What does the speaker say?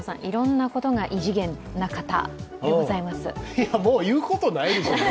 いや、もう言うことないでしょうね。